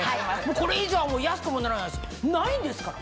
これ以上は安くもならないしないんですから。